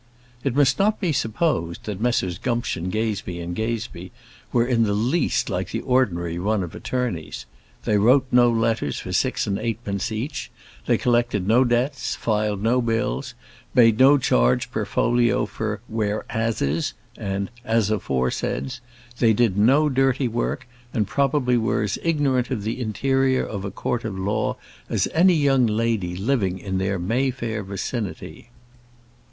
It must not be supposed that Messrs Gumption, Gazebee & Gazebee were in the least like the ordinary run of attorneys. They wrote no letters for six and eightpence each: they collected no debts, filed no bills, made no charge per folio for "whereases" and "as aforesaids;" they did no dirty work, and probably were as ignorant of the interior of a court of law as any young lady living in their Mayfair vicinity.